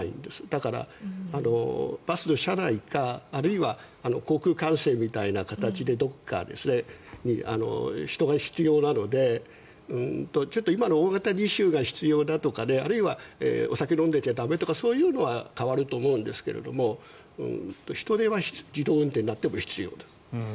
だから、バスの車内かあるいは航空管制みたいな形でどこかに人が必要なのでちょっと今の大型二種が必要だとかあるいはお酒を飲んでちゃ駄目とかそういうのは変わらないと思うんですが人手は自動運転になっても必要です。